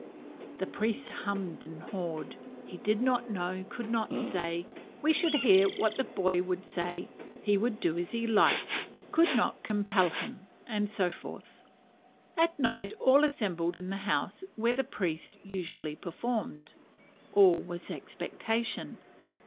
The priest hummed and hawed. "He did not know; could not say. We should hear what the 'boy' would say. He would do as he liked. Could not compel him;" and so forth. At night all assembled in the house where the priest usually performed. All was expectation.